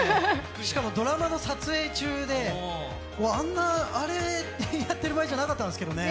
しかもドラマの撮影中であんな、あれやってる場合じゃなかったんですけどね。